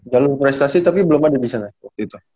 jalur prestasi tapi belum ada di sana waktu itu